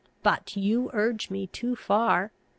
But you urge me too far.